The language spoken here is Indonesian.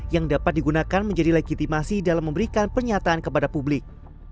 yang dapat digunakan menjadi legitimasi dalam memberikan pernyataan kepada publik